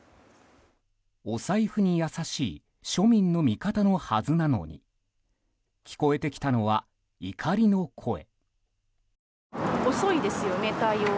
お財布に優しい庶民の味方のはずなのに聞こえてきたのは、怒りの声。